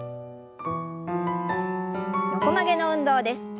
横曲げの運動です。